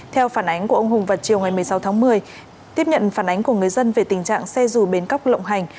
theo phản ánh của ông hùng vào chiều ngày một mươi sáu tháng một mươi tiếp nhận phản ánh của người dân về tình trạng xe dù bến cóc lộng hành